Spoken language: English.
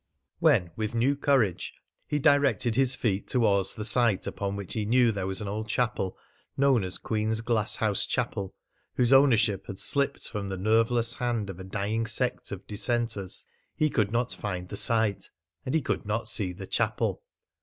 When, with new courage, he directed his feet towards the site, upon which he knew there was an old chapel known as Queen's Glasshouse Chapel, whose ownership had slipped from the nerveless hand of a dying sect of dissenters, he could not find the site, and he could not see the chapel.